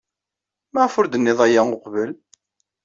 Maɣef ur d-tennid aya uqbel?